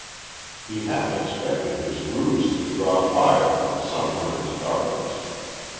He half expected his ruse to draw fire from somewhere in the darkness.